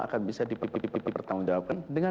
akan bisa dipertanggungjawabkan